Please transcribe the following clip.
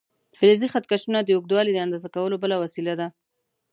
فلزي خط کشونه د اوږدوالي د اندازه کولو بله وسیله ده.